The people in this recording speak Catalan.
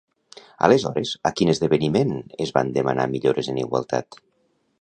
Aleshores, a quin esdeveniment es van demanar millores en igualtat?